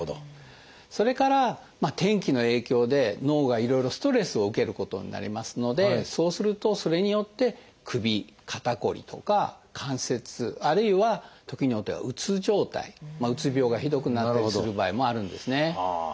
それから天気の影響で脳がいろいろストレスを受けることになりますのでそうするとそれによって首・肩こりとか関節痛あるいは時によってはうつ状態うつ病がひどくなったりする場合もあるんですね。